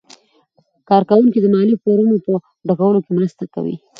کارکوونکي د مالي فورمو په ډکولو کې مرسته کوي.